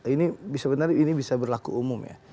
ini sebenarnya ini bisa berlaku umum ya